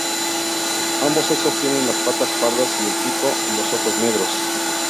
Ambos sexos tienen las patas pardas y el pico y los ojos negros.